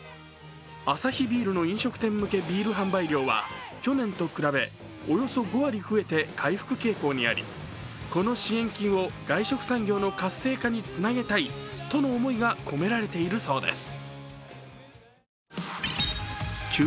アサヒビールの飲食店向けビール販売量は去年と比べ、およそ５割増えて回復傾向にあり、この支援金を外食産業の活性化につなげたいとの思いが込められているそうです。